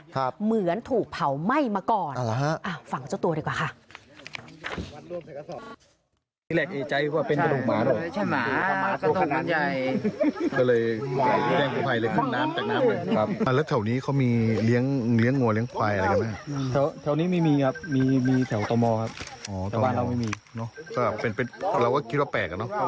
เหมือนถูกเผาไหม้มาก่อนฟังเจ้าตัวดีกว่าค่ะ